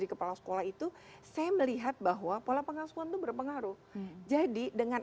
itu berapa ngaruh jadi dengan